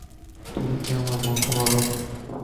তুমি কি আমার বন্ধু হবে?